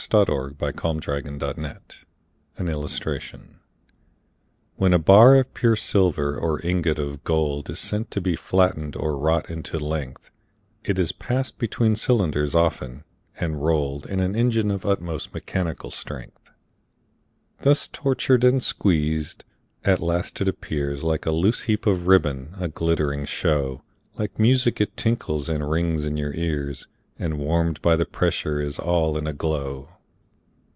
William Cowper The Flatting Mill An Illustration WHEN a bar of pure silver or ingot of gold Is sent to be flatted or wrought into length, It is pass'd between cylinders often, and roll'd In an engine of utmost mechanical strength. Thus tortured and squeezed, at last it appears Like a loose heap of ribbon, a glittering show, Like music it tinkles and rings in your ears, And warm'd by the pressure is all in a glow.